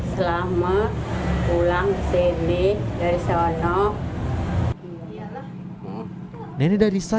selama pulang sini dari sana